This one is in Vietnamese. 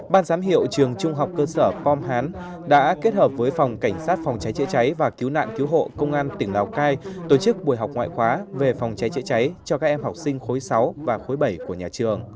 ban giám hiệu trường trung học cơ sở pom hán đã kết hợp với phòng cảnh sát phòng cháy chữa cháy và cứu nạn cứu hộ công an tỉnh lào cai tổ chức buổi học ngoại khóa về phòng cháy chữa cháy cho các em học sinh khối sáu và khối bảy của nhà trường